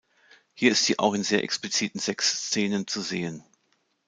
Hier ist sie auch in sehr expliziten Sex-Szenen zu sehen.